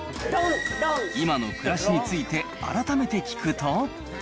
今の暮らしについて改めて聞くと。